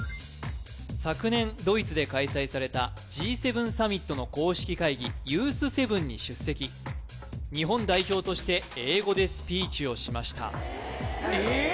昨年ドイツで開催されたＧ７サミットの公式会議Ｙｏｕｔｈ７に出席日本代表として英語でスピーチをしましたえーっ